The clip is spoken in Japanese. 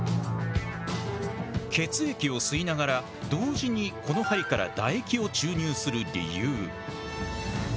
血液を吸いながら同時にこの針から唾液を注入する理由。